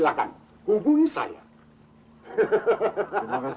kelihatannya dia bekas orang kaya pak